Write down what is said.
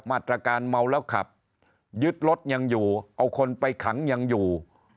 มาตรการเมาแล้วขับยึดรถยังอยู่เอาคนไปขังยังอยู่